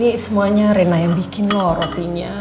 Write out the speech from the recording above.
ini semuanya rena yang bikin loh rotinya